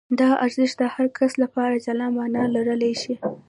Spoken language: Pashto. دا ارزښت د هر کس لپاره جلا مانا لرلای شي.